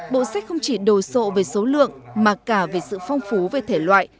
bộ sách không chỉ đồ sộ về số lượng mà cả về sự phong phú về thể loại